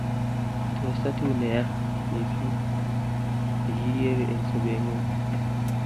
tos tatuu ne neya mising nekiigeer eng sobeng'ung?